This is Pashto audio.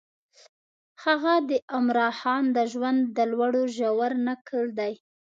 هغه د عمرا خان د ژوند د لوړو ژورو نکل دی.